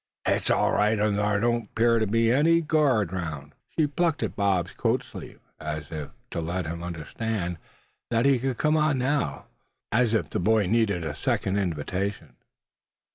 "Hit's all right, an' thar don't 'pear ter be any guard 'round." She plucked at Bob's coat sleeve, as if to let him understand that he could come on now; as if the boy needed a second invitation.